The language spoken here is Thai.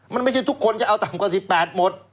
มันไม่ใช่ทุกคนจะเอาต่ำกว่า๑๘หมด